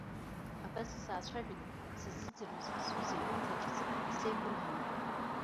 Абас саацәажәеит сыззыӡырҩыз сҩыза иҩымҭа ҿыц сеигәырӷьаны.